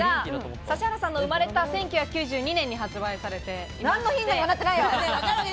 指原さんが生まれた１９９２年に発売されている。